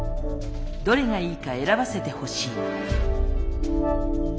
「どれがいいか選ばせてほしい」。